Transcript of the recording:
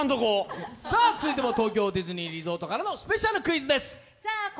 続いても東京ディズニーリゾートからのスペシャルクイズです。